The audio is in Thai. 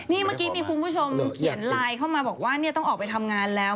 นี่เมื่อกี้มีคุณผู้ชมเขียนไลน์เข้ามาบอกว่าต้องออกไปทำงานแล้ว